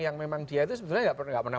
yang memang dia itu sebenarnya nggak pernah